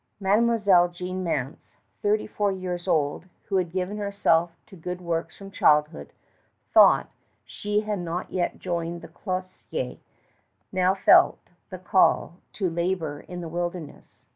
Mademoiselle Jeanne Mance, thirty four years old, who had given herself to good works from childhood, though she had not yet joined the cloister, now felt the call to labor in the wilderness.